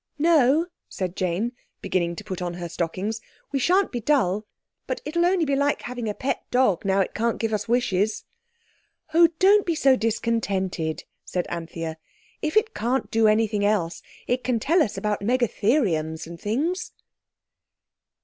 "No," said Jane, beginning to put on her stockings. "We shan't be dull—but it'll be only like having a pet dog now it can't give us wishes." "Oh, don't be so discontented," said Anthea. "If it can't do anything else it can tell us about Megatheriums and things."